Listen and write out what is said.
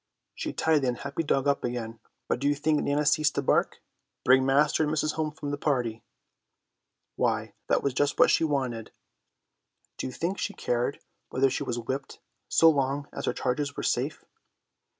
She tied the unhappy dog up again, but do you think Nana ceased to bark? Bring master and missus home from the party! Why, that was just what she wanted. Do you think she cared whether she was whipped so long as her charges were safe?